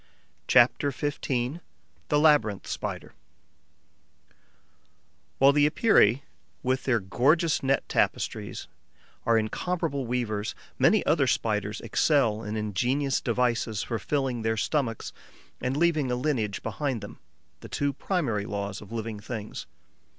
CHAPTER XV: THE LABYRINTH SPIDER While the Epeirae, with their gorgeous net tapestries, are incomparable weavers, many other Spiders excel in ingenious devices for filling their stomachs and leaving a lineage behind them: the two primary laws of living things.